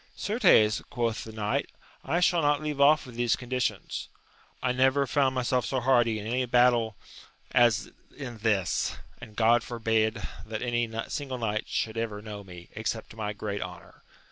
Certes, quoth AMADIS OF GAUL. 22T the knight, I shall not leave off with these conditions: I never found myself so hardy in any battle as in this, and God forbid that any single knight should ever know me, except to my great honour.